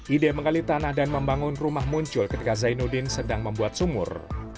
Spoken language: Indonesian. ide menggali tanah dan membangun rumah muncul ketika zainuddin sedang membuat sumur